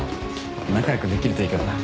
仲良くできるといいけどな。